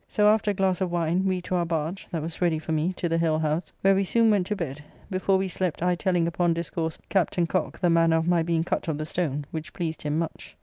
So after a glass of wine, we to our barge, that was ready for me, to the Hill house, where we soon went to bed, before we slept I telling upon discourse Captain Cocke the manner of my being cut of the stone, which pleased him much.